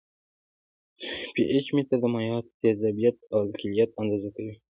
پي ایچ متر د مایعاتو تیزابیت او القلیت اندازه کوي.